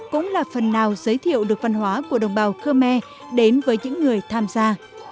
cũng là phần nào giới thiệu được văn hóa của đồng bào khmer đến với những người tham gia